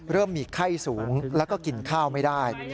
เริ่มมีไข้สูงแล้วก็กินข้าวไม่ได้